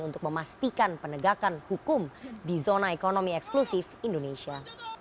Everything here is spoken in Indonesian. untuk memastikan penegakan hukum di zona ekonomi eksklusif indonesia